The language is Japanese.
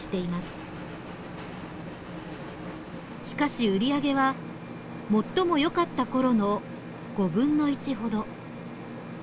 しかし売り上げは最も良かったころの５分の１ほど。